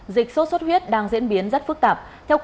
dịch sốt xuất huyết đang diễn biến rất phức tạp